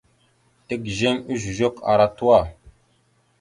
Tigizeŋ ezœzœk ara tuwa.